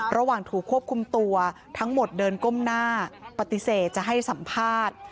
ระหว่างถูกควบคุมตัวทั้งหมดเดินก้มหน้าปฏิเสธจะให้สัมภาษณ์